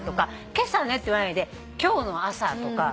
「今朝ね」って言わないで「今日の朝」とか。